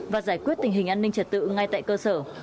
và giải quyết tình hình an ninh trật tự ngay tại cơ sở